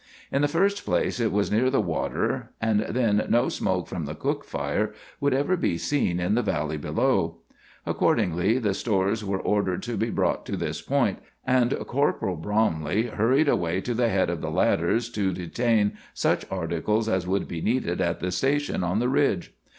In the first place, it was near the water, and then no smoke from the cook fire would ever be seen in the valley below. Accordingly, the stores were ordered to be brought to this point, and Corporal Bromley hurried away to the head of the ladders to detain such articles as would be needed at the station on the ridge.